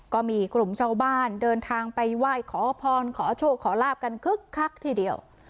ก็มีกลุ่มชาวบ้านเดินทางไปไหว้ขอพรขอโชคขอลาบกันคึกคักทีเดียว